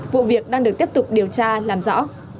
vụ việc đang được tiếp tục điều tra làm rõ